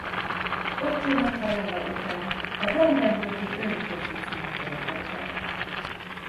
Ottónak halála után a brandenburgi őrgrófi címet örökölte.